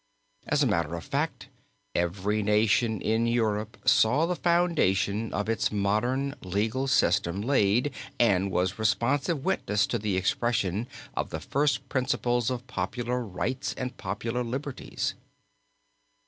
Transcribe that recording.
As a matter of fact every nation in Europe saw the foundation of its modern legal system laid, and was responsive witness to the expression of the first principles of popular rights and popular liberties.